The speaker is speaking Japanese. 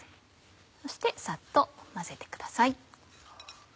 そしてさっと混ぜてください。